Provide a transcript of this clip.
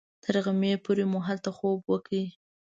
تر غرمې پورې مو هلته خوب وکړ.